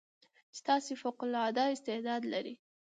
چې تاسې فوق العاده استعداد لرٸ